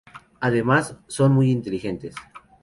Además son muy inteligentes.